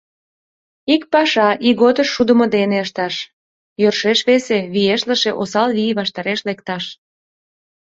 Ик паша — ийготыш шудымо дене ышташ, йӧршеш весе — виешлыше, осал вий ваштареш лекташ.